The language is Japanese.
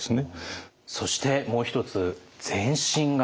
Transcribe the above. そしてもう一つ全身型。